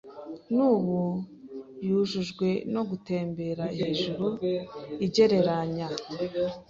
nubu yujujwe no gutembera hejuru igereranya